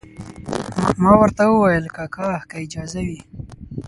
ما ورته وویل کاکا که اجازه وي.